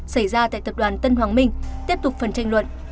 xảy ra tại tập đoàn tân hoàng minh tiếp tục phần tranh luận